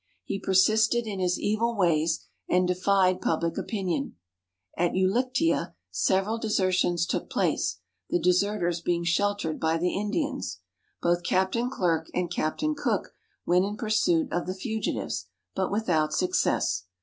He per sisted in his evil ways, and defied public opinion. At Ulictea several desertions took place, the deserters being sheltered by the Indians. Both Captain Clerke and Captain Cook went in pursuit of the fugitives, but without success.